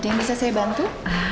yang bisa saya bantu